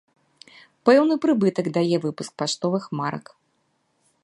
Пэўны прыбытак дае выпуск паштовых марак.